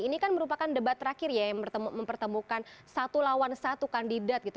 ini kan merupakan debat terakhir ya yang mempertemukan satu lawan satu kandidat gitu